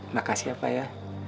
makasih ya pak ya